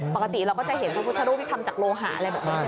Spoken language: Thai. ปกติเราก็จะเห็นพระพุทธรูปที่ทำจากโลหะอะไรหนึ่งใช่มั้ยคะ